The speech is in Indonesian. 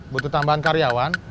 butuh tambahan karyawan